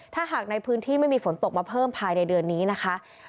ถ้าหากในพื้นที่ไม่มีฝนตกมาเพิ่มภายในเดือนนี้นะคะ